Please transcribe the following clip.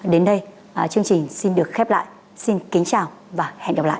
đến đây chương trình xin được khép lại xin kính chào và hẹn gặp lại